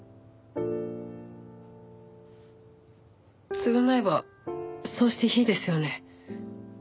償えばそうしていいですよね？